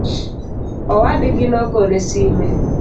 Owadgi nogone sime